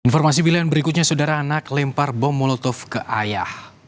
informasi pilihan berikutnya saudara anak lempar bom molotov ke ayah